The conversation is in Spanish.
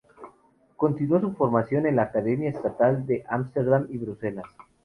Continuó su formación en la Academia Estatal de Ámsterdam y Bruselas.